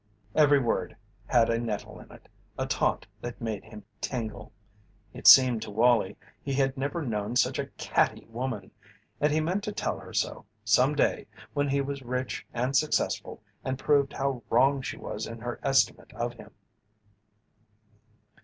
Every word had a nettle in it, a taunt that made him tingle. It seemed to Wallie he had never known such a "catty" woman, and he meant to tell her so, some day, when he was rich and successful and had proved how wrong she was in her estimate of him.